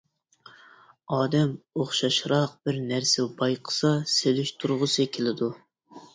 ئادەم ئوخشاشراق بىر نەرسە بايقىسا سېلىشتۇرغۇسى كېلىدۇ.